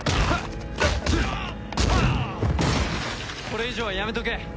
これ以上はやめとけ。